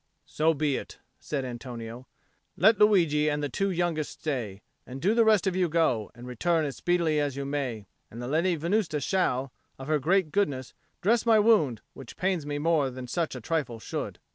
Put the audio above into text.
"So be it," said Antonio. "Let Luigi and the two youngest stay; and do the rest of you go, and return as speedily as you may. And the Lady Venusta shall, of her great goodness, dress my wound, which pains me more than such a trifle should."